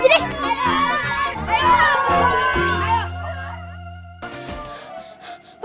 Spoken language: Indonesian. aduh aduh aduh